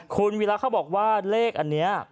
คุณวีระเขาบอกว่าเลขอันนี้